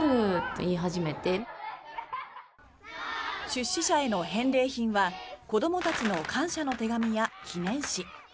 出資者への返礼品は子どもたちの感謝の手紙や記念誌。